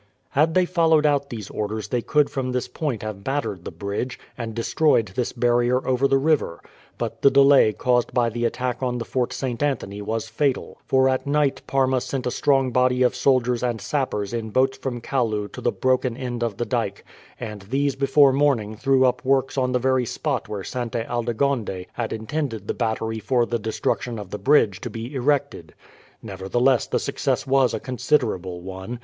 Had they followed out these orders they could from this point have battered the bridge, and destroyed this barrier over the river. But the delay caused by the attack on the Fort St. Anthony was fatal, for at night Parma sent a strong body of soldiers and sappers in boats from Kalloo to the broken end of the dyke, and these before morning threw up works upon the very spot where Sainte Aldegonde had intended the battery for the destruction of the bridge to be erected. Nevertheless the success was a considerable one.